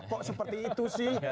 kok seperti itu sih